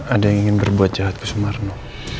ada yang ingin berbuat jahat ke sumarno